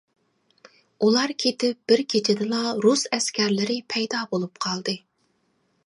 ئۇلار كېتىپ بىر كېچىدىلا رۇس ئەسكەرلىرى پەيدا بولۇپ قالدى.